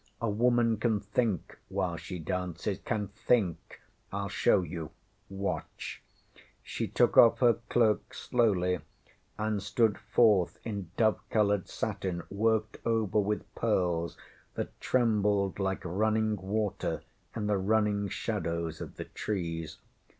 A woman can think while she dances can think. IŌĆÖll show you. Watch! ŌĆÖ She took off her cloak slowly, and stood forth in dove coloured satin, worked over with pearls that trembled like running water in the running shadows of the trees.